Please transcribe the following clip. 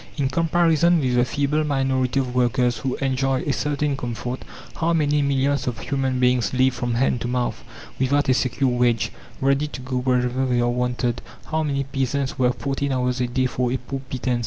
In comparison with the feeble minority of workers who enjoy a certain comfort, how many millions of human beings live from hand to mouth, without a secure wage, ready to go wherever they are wanted; how many peasants work fourteen hours a day for a poor pittance!